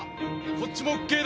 こっちもＯＫだ。